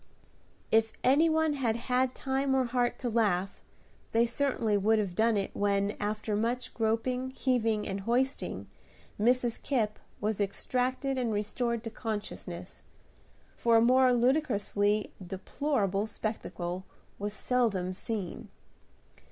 If any one had had time or heart to laugh, they certainly would have done it when, after much groping, heaving, and hoisting. Mrs. Kipp was extricated and restored to consciousness; for a more ludicrously deplorable spectacle was seldom seen.